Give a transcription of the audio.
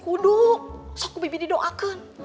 kuduk sok bibi didoakan